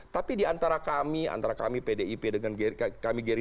tapi di antara kami pdip dengan gery